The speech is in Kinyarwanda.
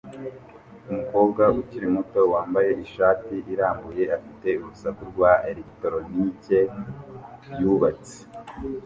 Umukobwa ukiri muto wambaye ishati irambuye afite urusaku rwa elegitoronike yubatse